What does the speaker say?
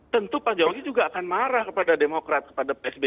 tentu pak jokowi juga akan marah kepada demokrat kepada psb